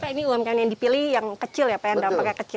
ini umkm yang dipilih yang kecil ya pak yang dampaknya kecil